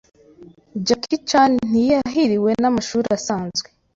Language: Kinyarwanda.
Jackie Chan ntiyahiriwe n’amashuri asanzwe